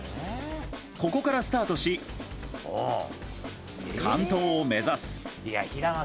ここからスタートし完登を目指す。